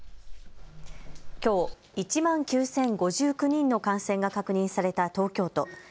きょう１万９０５９人の感染が確認された東京都。